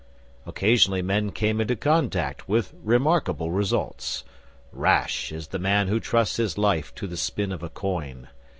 Occasionally men came into contact, with remarkable results. Rash is the man who trusts his life to the spin of a coin.